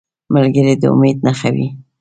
ملګری د امید نښه وي